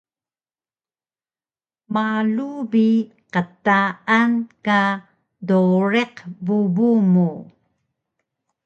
Malu bi qtaan ka dowriq bubu mu